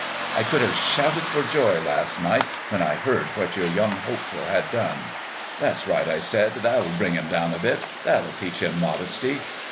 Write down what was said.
"I could have shouted for joy last night when I heard what your young hopeful had done. 'That's right,' I said; 'that'll bring him down a bit. That'll teach him modesty.'